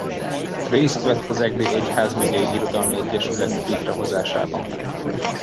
Részt vett az Egri Egyházmegyei Irodalmi Egyesület létrehozásában.